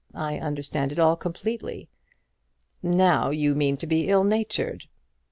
I understand it all completely." "Now you mean to be ill natured!"